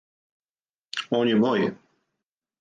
Он је мој?